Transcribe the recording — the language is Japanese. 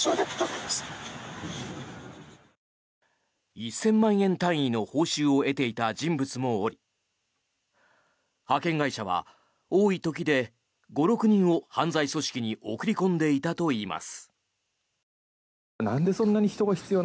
１０００万円単位の報酬を得ていた人物もおり派遣会社は多い時で５６人を犯罪組織に送り込んでいたといいます。